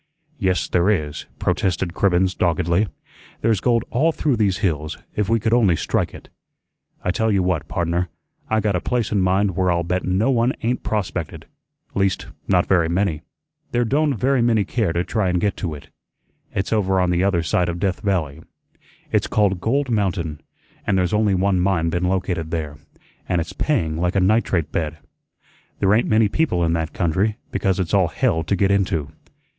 "Yes, there is," protested Cribbens doggedly; "there's gold all through these hills, if we could only strike it. I tell you what, pardner, I got a place in mind where I'll bet no one ain't prospected least not very many. There don't very many care to try an' get to it. It's over on the other side of Death Valley. It's called Gold Mountain, an' there's only one mine been located there, an' it's paying like a nitrate bed. There ain't many people in that country, because it's all hell to get into.